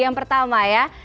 yang pertama ya